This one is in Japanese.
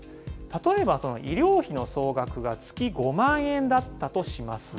例えば医療費の総額が月５万円だったとします。